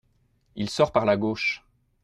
Il sort par la gauche.